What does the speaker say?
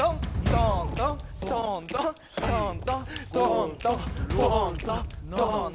トントントントントントントントン。